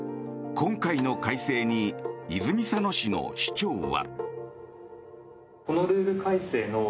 今回の改正に泉佐野市の市長は。